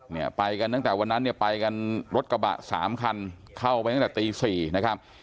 เนี่ยไปกันตั้งแต่วันนั้นเนี่ยไปกันรถกระบะสามคันเข้าไปตั้งแต่ตีสี่นะครับ